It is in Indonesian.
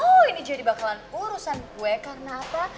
oh ini jadi bakalan urusan gue karena apa